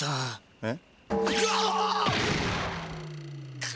えっ？